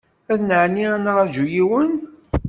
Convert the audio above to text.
Ad nɛenni ad nraju yiwen.